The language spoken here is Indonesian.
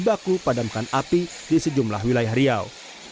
baku padamkan api di sejumlah wilayah riau